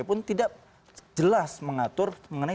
walaupun tidak jelas mengatur mengenai